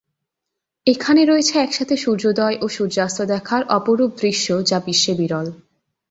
এখানে রয়েছে একসাথে সূর্যোদয় ও সূর্যাস্ত দেখার অপরূপ দৃশ্য যা বিশ্বে বিরল।